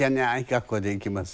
格好で行きます。